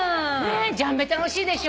ジャンベ楽しいでしょ？